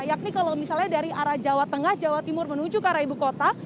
yakni kalau misalnya dari arah jawa tengah jawa timur menuju ke arah ibu kota